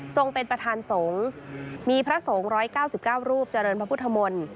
เป็นประธานสงฆ์มีพระสงฆ์๑๙๙รูปเจริญพระพุทธมนตร์